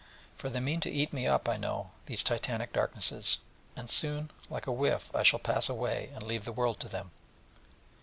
For they mean to eat me up, I know, these Titanic darknesses: and soon like a whiff I shall pass away, and leave the world to them.'